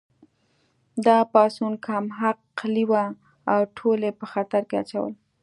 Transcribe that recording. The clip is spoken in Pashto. دا پاڅون کم عقلې وه او ټول یې په خطر کې اچول